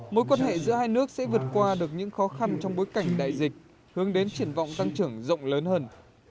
mối quan hệ giữa hai nước sẽ vượt qua được những khó khăn trong bối cảnh đại dịch hướng đến triển vọng tăng trưởng rộng lớn hơn